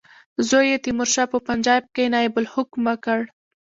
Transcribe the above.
زوی یې تیمورشاه په پنجاب کې نایب الحکومه کړ.